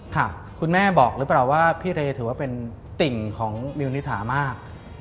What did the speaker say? คุณแม่บอกหรือเปล่าว่าพี่เรย์ถือว่าเป็นติ่งของมิวนิถามาก